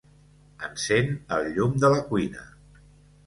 Encén el llum de la cuina.